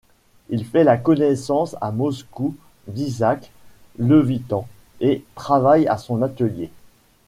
Il fait la connaissance à Moscou d'Isaac Levitan et travaille à son atelier.